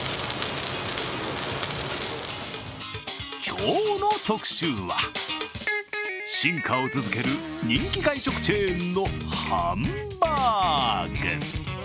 今日の特集は進化を続ける人気外食チェーンのハンバーグ。